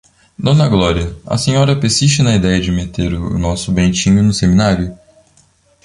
Dona Glória, a senhora persiste na idéia de meter o nosso Bentinho no seminário?